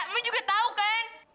mami juga tahu kan